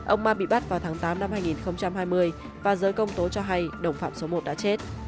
ông ma bị bắt vào tháng tám năm hai nghìn hai mươi và giới công tố cho hay đồng phạm số một đã chết